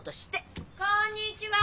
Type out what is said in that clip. ・こんにちは！